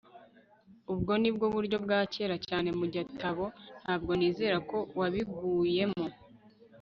ubwo ni bwo buryo bwa kera cyane mu gitabo. ntabwo nizera ko wabiguyemo